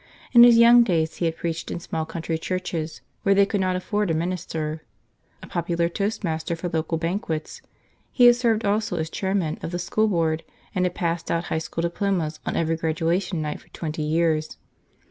In his young days he had preached in small country churches where they could not afford a minister. A popular toastmaster for local banquets, he had served also as chairman of the school board and had passed out high school diplomas on every graduation night for twenty years.